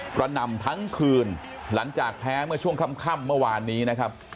หนำทั้งคืนหลังจากแพ้เมื่อช่วงค่ำเมื่อวานนี้นะครับ